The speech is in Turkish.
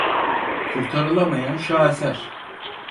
Kurtarılamayan şaheser.